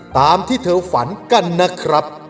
ตามที่เธอฝันกันนะครับ